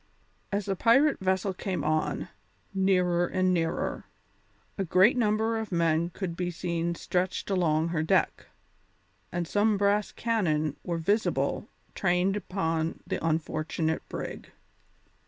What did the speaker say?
As the pirate vessel came on, nearer and nearer, a great number of men could be seen stretched along her deck, and some brass cannon were visible trained upon the unfortunate brig.